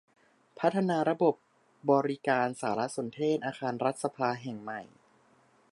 พัฒนาระบบบริการสารสนเทศอาคารรัฐสภาแห่งใหม่